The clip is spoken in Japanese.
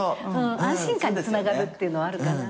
安心感につながるっていうのはあるかな。